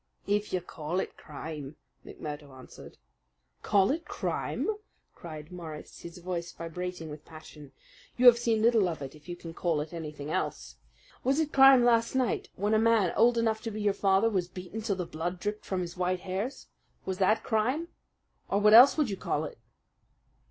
"If you call it crime," McMurdo answered. "Call it crime!" cried Morris, his voice vibrating with passion. "You have seen little of it if you can call it anything else. Was it crime last night when a man old enough to be your father was beaten till the blood dripped from his white hairs? Was that crime or what else would you call it?"